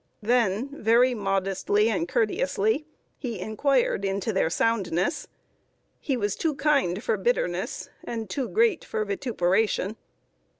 Then, very modestly and courteously, he inquired into their soundness. He was too kind for bitterness, and too great for vituperation.